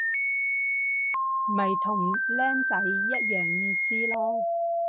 咪同僆仔一樣意思囉